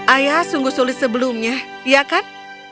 ayah sungguh sulit sebelumnya iya kan